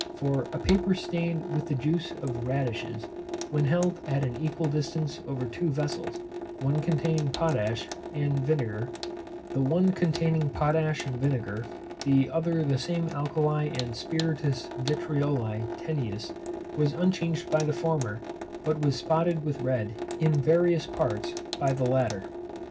For a paper stained with the purple juice of radishes, when held at an equal distance over two vessels, the one containing potash and vinegar, the other the same alkali and Spiritus vitrioli tenuis, was unchanged by the former, but was spotted with red, in various parts, by the latter.